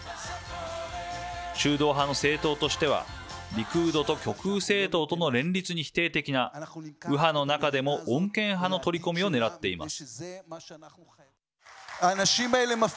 中道派の政党としてはリクードと極右政党との連立に否定的な右派の中でも穏健派の取り込みをねらっています。